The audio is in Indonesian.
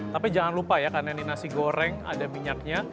tapi jangan lupa ya karena ini nasi goreng ada minyaknya